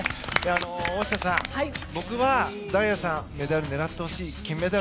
大下さん、僕は大也さんに金メダルを狙ってほしい。